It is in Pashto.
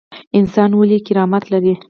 انسان ولې کرامت لري؟